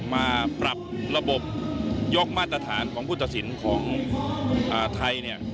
มาปรับระบบยกมาตรฐานของผู้ตัดสินของไทยเนี่ย